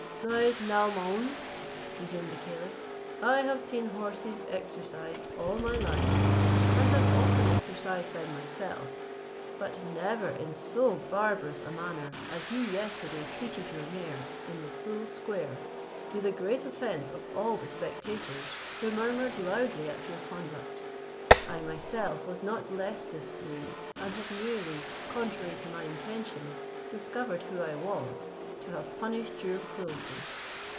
"Syed Naomaun," resumed the caliph, "I have seen horses exercised all my life, and have often exercised them myself, but never in so barbarous a manner as you yesterday treated your mare in the full square, to the great offence of all the spectators, who murmured loudly at your conduct. I myself was not less displeased, and had nearly, contrary to my intention, discovered who I was, to have punished your cruelty.